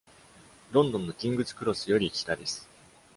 ロンドンのキングズ・クロスより北です。